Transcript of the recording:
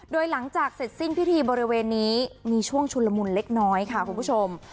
โดยหลังจากเสร็จสิ้นพิธีบริเวณนี้มีช่วงชุนละมุนเล็กน้อยค่ะคุณผู้ชม